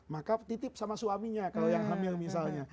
maka titip sama suaminya kalau yang hamil misalnya